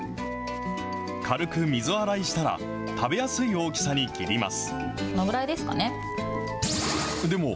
軽く水洗いしたら、食べやすい大きさに切ります。